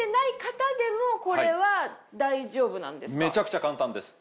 めちゃくちゃ簡単です。